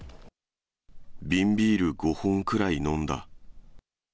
瓶ビール５本くらい飲んだ。